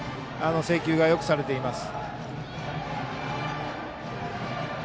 制球がよくされています。